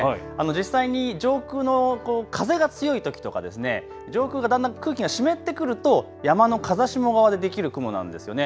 実際に上空の風が強いときとか上空がだんだん空気が湿ってくると山の風下側でできる雲なんですよね。